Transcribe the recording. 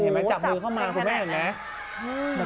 เห็นไหมจับมือกันเข้ามาคุณแม่เห็นแล้ว